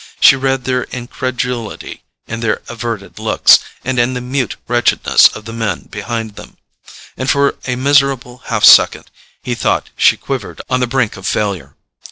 She read their incredulity in their averted looks, and in the mute wretchedness of the men behind them, and for a miserable half second he thought she quivered on the brink of failure.